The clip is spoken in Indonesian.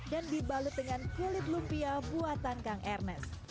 dan dibalut dengan kulit lumpia buatan kang ernest